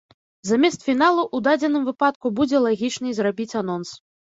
Замест фіналу ў дадзеным выпадку будзе лагічней зрабіць анонс.